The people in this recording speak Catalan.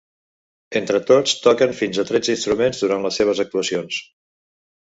Entre tots toquen fins a tretze instruments durant les seves actuacions.